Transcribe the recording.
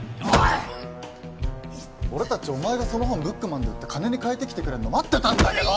俺たちお前がその本ブックマンで売って金に換えてきてくれるの待ってたんだけど！